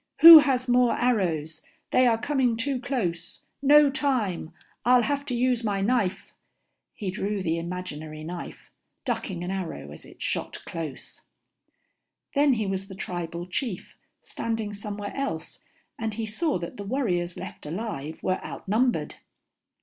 "Who has more arrows? They are coming too close. No time I'll have to use my knife." He drew the imaginary knife, ducking an arrow as it shot close. Then he was the tribal chief standing somewhere else, and he saw that the warriors left alive were outnumbered.